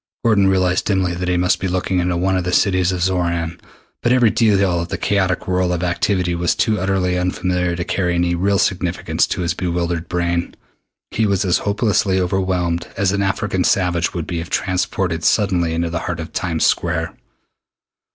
Gordon realized dimly that he must be looking into one of the cities of Xoran, but every detail of the chaotic whirl of activity was too utterly unfamiliar to carry any real significance to his bewildered brain. He was as hopelessly overwhelmed as an African savage would be if transported suddenly into the heart of Times Square.